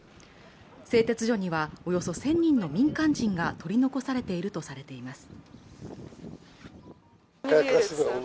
製鉄所にはおよそ１０００人の民間人が取り残されているとされています